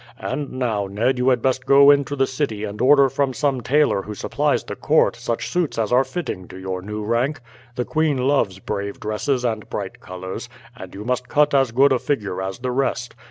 And now, Ned, you had best go into the city and order from some tailor who supplies the court such suits as are fitting to your new rank. The queen loves brave dresses and bright colours, and you must cut as good a figure as the rest.